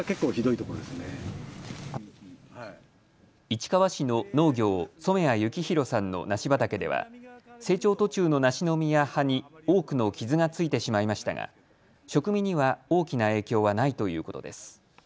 市川市の農業、染谷幸弘さんの梨畑では成長途中の梨の実や葉に多くの傷がついてしまいましたが食味には大きな影響はないということです。